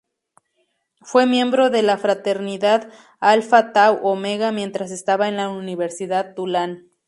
Fue miembro de la fraternidad Alpha Tau Omega mientras estaba en la Universidad Tulane.